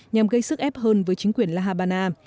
nhằm gây sức ép hơn với chính quyền la habana